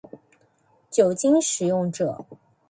酒精使用者